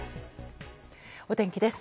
お天気です。